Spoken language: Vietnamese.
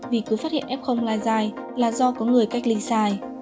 vì cứ phát hiện ép không lai dài là do có người cách ly sai